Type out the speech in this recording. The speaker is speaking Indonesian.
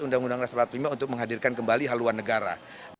undang undang rasulat pima untuk menghadirkan kembali haluan negara